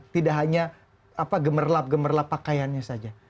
tidak hanya gemerlap gemerlap pakaiannya saja